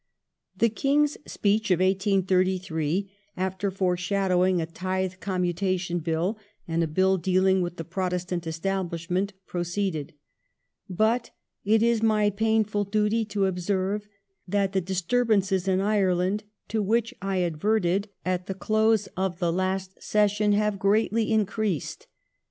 The King's Speech of 1833, after foreshadowing a tithe commu tation Bill and a Bill dealing with the Protestant Establishment, proceeded :" But it is my painfuF duty to observe that the disturb ances in Ireland, to which I adverted at the close of the last session, have greatly increased.